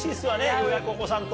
ようやくお子さんと。